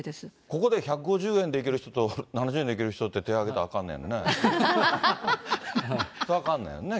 ここで１５０円で行ける人、７０円で行ける人って手挙げたらあかんねんね。